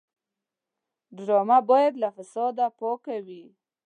ډرامه باید له فساد پاکه وي